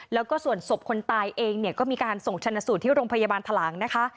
แล้วก็ส่วนศพคนตายเองเนี่ยก็มีการส่งชนะสูตรที่โรงพยาบาลทะหลังนะคะ